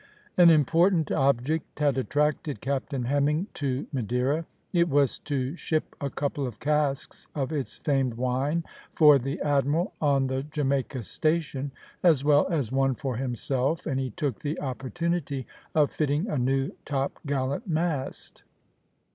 An important object had attracted Captain Hemming to Madeira. It was to ship a couple of casks of its famed wine for the admiral on the Jamaica station, as well as one for himself, and he took the opportunity of fitting a new topgallant mast.